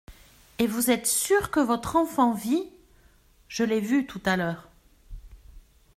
«Et vous êtes sûre que votre enfant vit ? Je l'ai vu tout à l'heure.